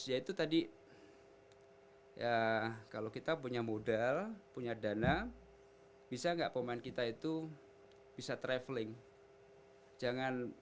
yaitu tadi ya kalau kita punya modal punya dana bisa nggak pemain kita itu bisa traveling